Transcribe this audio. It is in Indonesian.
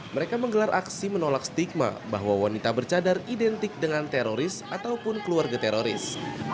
mereka menggelar aksi menolak stigma bahwa wanita bercadar identik dengan teroris ataupun keluarga teroris